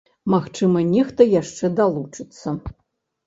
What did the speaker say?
Магчыма, нехта яшчэ далучыцца.